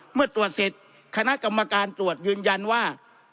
เมื่อตรวจเสร็จคณะกรรมการตรวจยืนยันว่า